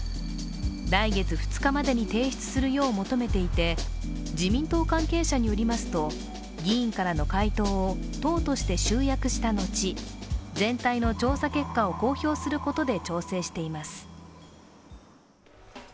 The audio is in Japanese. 来月２日までに提出するよう求めていて、自民党関係者によりますと、議員からの回答を党として集約したのち全体の調査結果を公表することで調整しています。